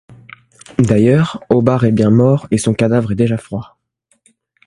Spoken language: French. D’ailleurs, Hobbart est bien mort, et son cadavre est déjà froid.